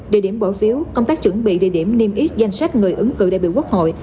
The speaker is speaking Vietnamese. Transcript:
địa điểm bỏ phiếu công tác chuẩn bị địa điểm niêm yết danh sách người ứng cử đại biểu quốc hội